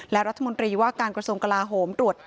และรัฐมนตรีว่าการกระทรวงกลาโหมตรวจ